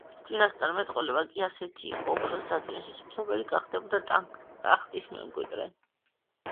წინასწარმეტყველება კი ასეთი იყო: ოქროს საწმისის მფლობელი გახდებოდა ტახტის მემკვიდრე.